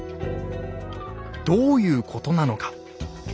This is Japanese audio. どういうことなのか。